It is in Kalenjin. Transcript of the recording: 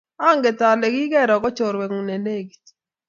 Anget kole kigeroo ku chrowengung nelegit